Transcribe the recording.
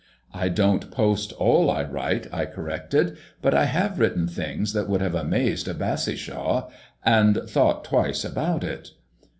"I don't post all I write," I corrected, "but I have written things that would have amazed a Bassishaw and thought twice about it."